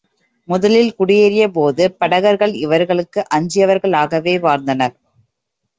முதலில் குடியேறியபோது, படகர்கள் இவர்களுக்கு அஞ்சியவர்களாகவே வாழ்ந்தனர்.